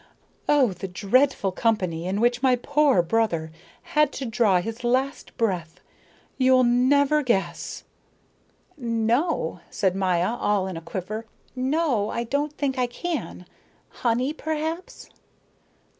Oh, the dreadful company in which my poor brother had to draw his last breath! You'll never guess!" "No," said Maya, all in a quiver, "no, I don't think I can. Honey, perhaps?"